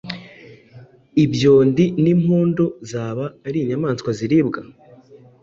Ibyondi n’impundu zaba ari inyamaswa ziribwa?